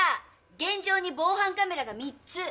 現場に防犯カメラが３つ。